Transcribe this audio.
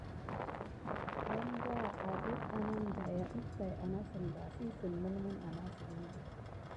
Wangà ankadi ɗef tät anasine ɓa abyik anane anasine siga.